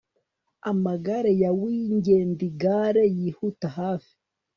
amagare ya wingèd igare yihuta hafi